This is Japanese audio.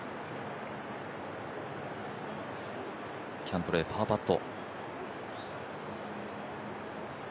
キャントレー、パーパット。